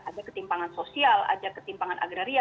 ada ketimpangan sosial ada ketimpangan agraria